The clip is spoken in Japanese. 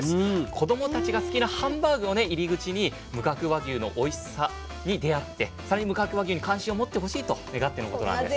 子どもたちが好きなハンバーグを入り口に無角和牛のおいしさに出会って無角和牛に関心を持ってほしいと願ってのことなんです。